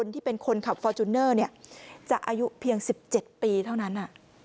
ที่เป็นคนขับฟอร์จูเนอร์จะอายุเพียง๑๗ปีเท่านั้น